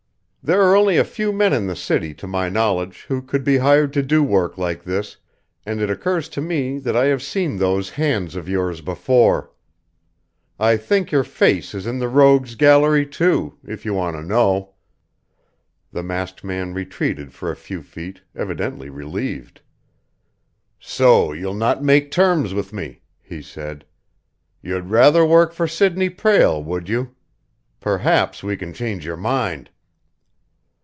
"There are only a few men in the city, to my knowledge, who could be hired to do work like this, and it occurs to me that I have seen those hands of yours before. I think your face is in the rogues' gallery, too, if you want to know!" The masked man retreated for a few feet, evidently relieved. "So you'll not make terms with me," he said. "You'd rather work for Sidney Prale, would you? Perhaps we can change your mind."